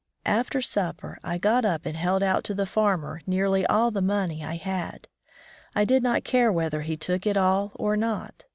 After supper I got up and held out to the farmer nearly all the money I had. I did not care whether he took it all or not.